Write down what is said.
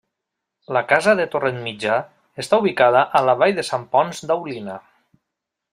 La casa de Torrent Mitjà està ubicada a la Vall de Sant Ponç d'Aulina.